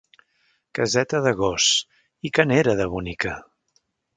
Caseta de gos, i que n'era, de bonica!